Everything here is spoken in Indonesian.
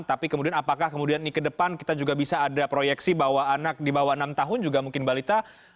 tapi kemudian apakah kemudian ini ke depan kita juga bisa ada proyeksi bahwa anak di bawah enam tahun juga mungkin balita